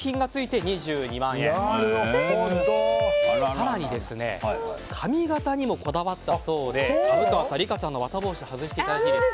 更に髪形にもこだわったそうで虻川さん、リカちゃんの綿帽子外してもらっていいですか？